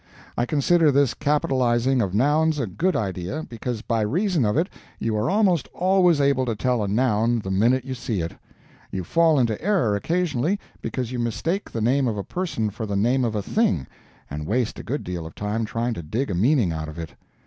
I consider this capitalizing of nouns a good idea, because by reason of it you are almost always able to tell a noun the minute you see it. You fall into error occasionally, because you mistake the name of a person for the name of a thing, and waste a good deal of time trying to dig a meaning out of it.